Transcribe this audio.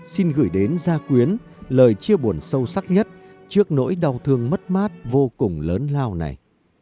xin gửi đến gia quyến lời chia buồn sâu sắc nhất trước nỗi đau thương mất mát vô cùng lớn lao này